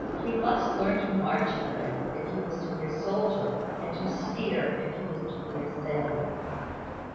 He must learn to march better, if he was to be a soldier; and to steer, if he was to be a sailor.